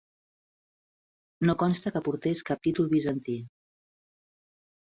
No consta que portés cap títol bizantí.